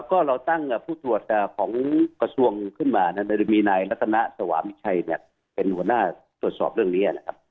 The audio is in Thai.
ก็เราตั้งผู้ตรวจของกระทรวงขึ้นมาโดยมีนายรัฐนะสวามิชัยเป็นหัวหน้าตรวจสอบเรื่องนี้นะครับ